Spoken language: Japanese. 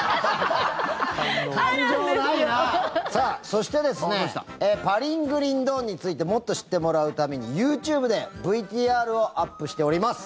そして「パリングリンドーン」についてもっと知ってもらうためにＹｏｕＴｕｂｅでＶＴＲをアップしております。